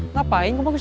ngapain kamu ke sini